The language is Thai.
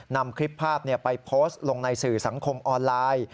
นำคลิปภาพไปโพสต์ลงในสื่อสังคมออนไลน์